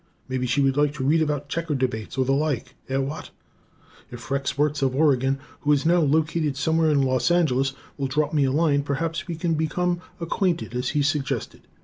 Maybe she would like to read about checker debates or the like. Eh, what? If Rex Wertz of Oregon, who is now located somewhere in Los Angeles, will drop me a line, perhaps we can become acquainted as he suggested.